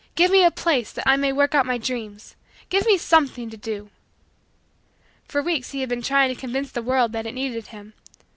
Give me a place that I may work out my dreams. Give me something to do." For weeks, he had been trying to convince the world that it needed him.